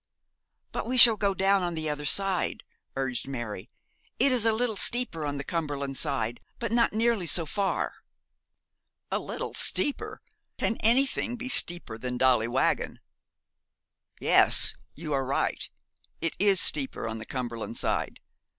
'But we shall go down on the other side,' urged Mary. 'It is a little steeper on the Cumberland side, but not nearly so far.' 'A little steeper! I Can anything be steeper than Dolly Waggon? Yes, you are right. It is steeper on the Cumberland side.